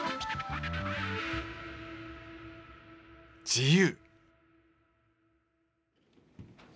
自由。